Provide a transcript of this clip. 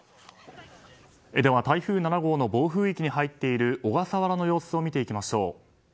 台風７号の暴風域に入っている小笠原の様子を見ていきましょう。